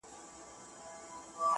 زه درته څه ووايم’